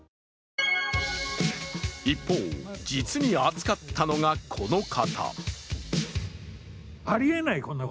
一方、実に熱かったのがこの方。